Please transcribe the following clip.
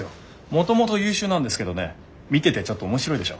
もともと優秀なんですけどね見ててちょっと面白いでしょ。